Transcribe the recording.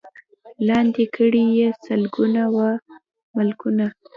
لاندي کړي یې سلګونه وه ملکونه